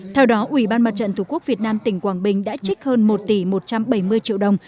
theo đó ubnd tqvn tỉnh quảng bình đã trích hơn một tỷ một trăm bảy mươi triệu đồng